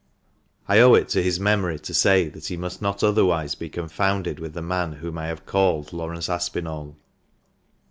I owe it to his memory to say that he must not otherwise be confounded with the man whom I have called Laurence Aspinall.